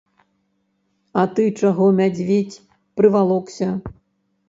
А ты чаго, мядзведзь, прывалокся?